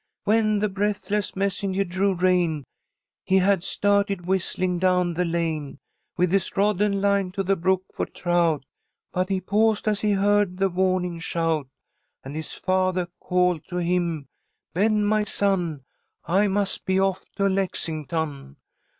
When the breathless messenger drew rein He had started whistling, down the lane With his rod and line, to the brook for trout, But he paused as he heard the warning shout, And his father called to him, 'Ben, my son, I must be off to Lexington!